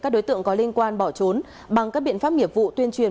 đối tượng còn lại dùng dao uy hiếp